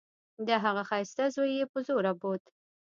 د هغه ښايسته زوى يې په زوره بوت.